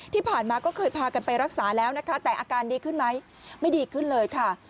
ที่ผ่านมาก็เคยพากันไปรักษาแล้วนะคะแต่อาการดีขึ้นไหมไม่ดีขึ้นเลยค่ะ